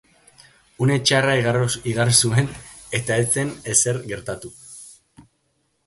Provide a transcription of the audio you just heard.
Une txarra igaro zuen, eta ez zen ezer gertatu.